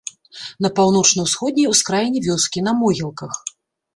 На паўночна-ўсходняй ускраіне вёскі, на могілках.